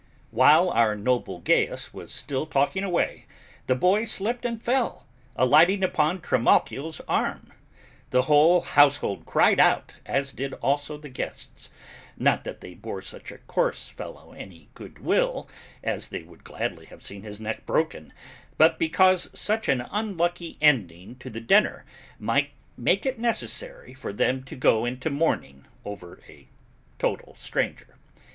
While our noble Gaius was still talking away, the boy slipped and fell, alighting upon Trimalchio's arm. The whole household cried out, as did also the guests, not that they bore such a coarse fellow any good will, as they would gladly have seen his neck broken, but because such an unlucky ending to the dinner might make it necessary for them to go into mourning over a total stranger.